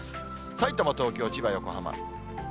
さいたま、東京、千葉、横浜。